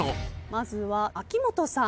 まずは秋元さん。